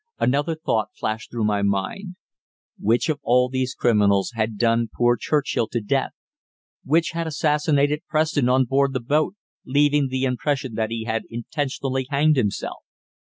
Another thought flashed through my mind. Which of all these criminals had done poor Churchill to death? Which had assassinated Preston on board the boat, leaving the impression that he had intentionally hanged himself?